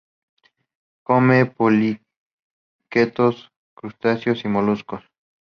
Come poliquetos, crustáceos y moluscos.